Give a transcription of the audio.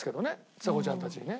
ちさ子ちゃんたちにね。